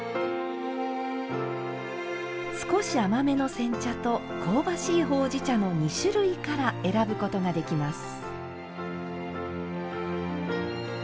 少し甘めの煎茶と香ばしいほうじ茶の２種類から選ぶことができます。